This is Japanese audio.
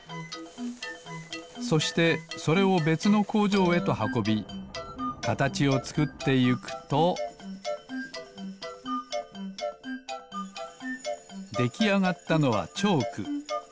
そしてそれをべつのこうじょうへとはこびかたちをつくってゆくとできあがったのはチョーク。